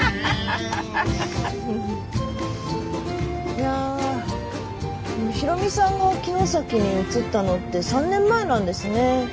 いや大海さんが城崎に移ったのって３年前なんですね。